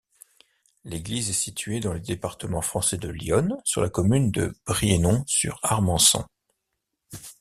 L'église est située dans le département français de l'Yonne, sur la commune de Brienon-sur-Armançon.